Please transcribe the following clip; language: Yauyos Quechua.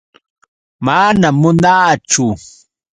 Manam munaachu.